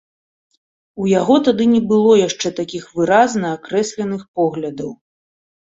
У яго тады не было яшчэ такіх выразна акрэсленых поглядаў.